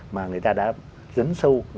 mà người ta đã dấn sâu